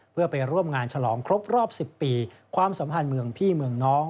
เพื่อไปร่วมงานฉลองครบรอบ๑๐ปีความสัมพันธ์เมืองพี่เมืองน้อง